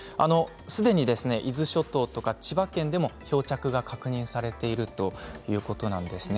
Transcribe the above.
すでに伊豆諸島とか千葉県でも漂着が確認されているということなんです。